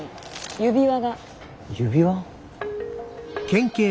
指輪。